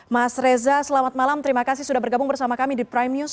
mas reza selamat malam terima kasih sudah bergabung bersama kami di prime news